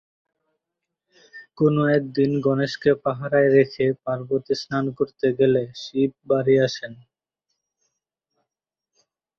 কোনো একদিন গণেশকে পাহারায় রেখে পার্বতী স্নান করতে গেলে শিব, বাড়ি আসেন।